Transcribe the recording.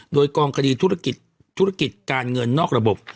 โดยกองคดีธุรกิจการเงินนอกระบบ